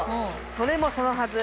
それもそのはず